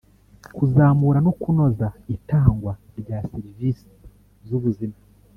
kuzamura no kunoza itangwa rya serivisi z’ubuzima